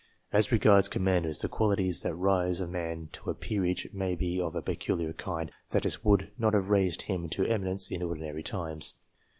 As regards commanders, the qualities that raise a man to a peerage, may be of a peculiar kind, such as would not have raised him to eminence in ordinary times.